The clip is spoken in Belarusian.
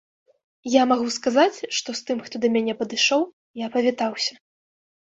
Я магу сказаць, што з тым, хто да мяне падышоў, я павітаўся.